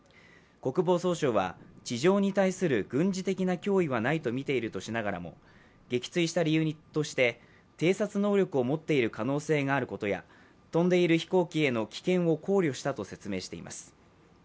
国防総省は、地上に対する軍事的な脅威はないとみているとしながらも撃墜した理由として、偵察能力を持っている可能性のあることや飛んでいる飛行機への危険を考慮したと説明しています。